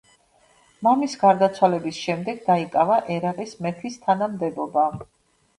მამის გარდაცვალების შემდეგ დაიკავა ერაყის მეფის თანამდებობა.